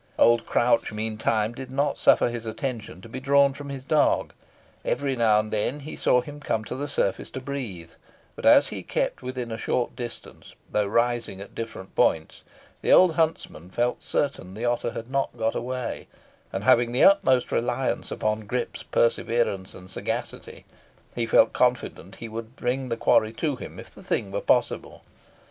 Old Crouch, meantime, did not suffer his attention to be drawn from his dog. Every now and then he saw him come to the surface to breathe, but as he kept within a short distance, though rising at different points, the old huntsman felt certain the otter had not got away, and, having the utmost reliance upon Grip's perseverance and sagacity, he felt confident he would bring the quarry to him if the thing were possible.